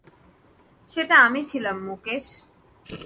সেটা আমি ছিলাম মুকেশ।